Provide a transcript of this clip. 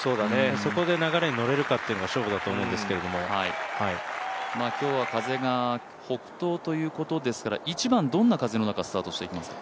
そこで流れに乗れるかが勝負ですけれども今日は風が北東ということですから１番、どんな風の中スタートしていきますか。